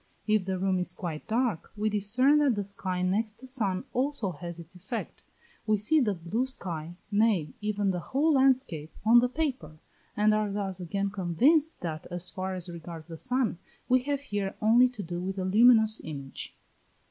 If the room is quite dark, we discern that the sky next the sun also has its effect: we see the blue sky, nay, even the whole landscape, on the paper, and are thus again convinced that as far as regards the sun, we have here only to do with a luminous image.